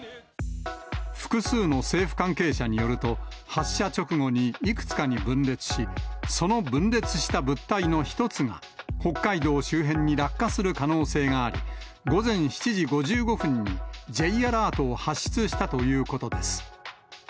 複数の政府関係者によると、発射直後にいくつかに分裂し、その分裂した物体の１つが北海道周辺に落下する可能性があり、午前７時５５分にＪアラートを発出したということです。